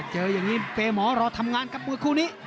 เจอยังงี้เฟย์หมอรอทำงานกับคู่นี้